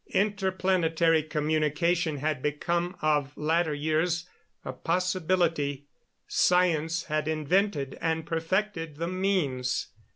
Interplanetary communication had become of latter years a possibility; science had invented and perfected the means.